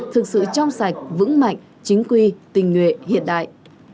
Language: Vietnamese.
thực sự trong sạch vững mạnh chính quy tình nguyện hiện đại